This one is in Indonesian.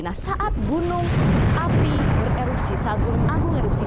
nah saat gunung api bererupsi saat gunung agung erupsi